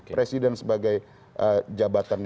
presiden sebagai jabatannya